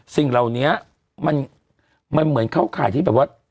สิ่งเหล่านี้มันเหมือนเข้าข่ายที่แบบว่า